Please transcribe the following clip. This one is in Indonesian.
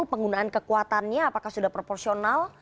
penggunaan kekuatannya apakah sudah proporsional